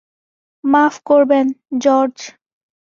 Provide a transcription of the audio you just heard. মাফ করবেন, জর্জ।